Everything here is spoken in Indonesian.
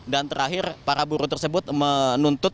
terakhir para buruh tersebut menuntut